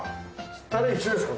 タレ一緒ですか？